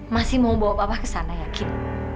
masih mau bawa papa ke sana yakin